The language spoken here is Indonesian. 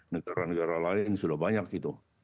negara negara lain sudah banyak gitu